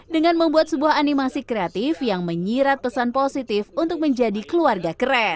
dengan membuat sebuah animasi kreatif yang menyirat pesan positif untuk menjadi keluarga keren